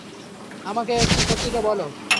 আমাকে একটু সত্যিটা বলো?